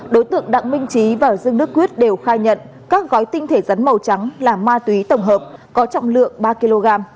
đối tượng đặng minh trí và dương đức quyết đều khai nhận các gói tinh thể rắn màu trắng là ma túy tổng hợp có trọng lượng ba kg